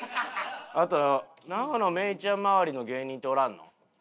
あと永野芽郁ちゃん周りの芸人っておらんの？